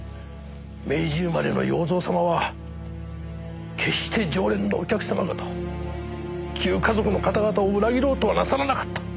明治生まれの洋蔵様は決して常連のお客様方を旧華族の方々を裏切ろうとはなさらなかった。